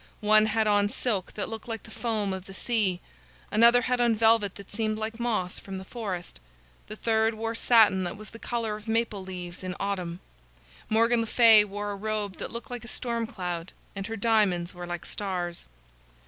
One had on silk that looked like the foam of the sea. Another had on velvet that seemed like moss from the forest. The third wore satin that was the color of maple leaves in autumn. Morgan le Fay wore a robe that looked like a storm cloud, and her diamonds were like stars.